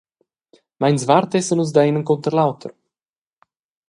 Meinsvart essan nus dai in encunter l’auter.